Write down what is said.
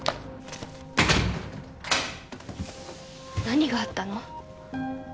何があったの？